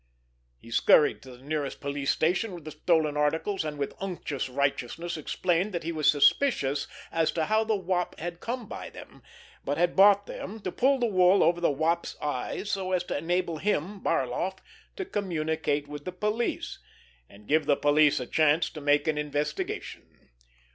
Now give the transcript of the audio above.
He scurried to the nearest police station with the stolen articles, and with unctuous righteousness explained that he was suspicious as to how the Wop had come by them, but had bought them to pull the wool over the Wop's eyes so as to enable him, Barloff, to communicate with the police, and give the police a chance to make an investigation.